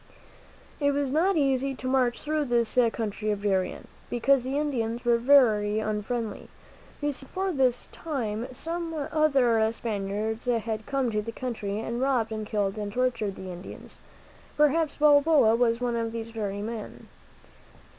It was not easy to march through this country of Darien, because the Indians were very unfriendly. You see, before this time some other Spaniards had come to the country, and robbed and killed and tortured the Indians. Perhaps Balboa was one of these very men.